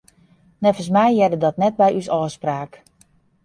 Neffens my hearde dat net by ús ôfspraak.